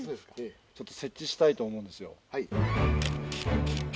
ちょっと設置したいと思うんですよ。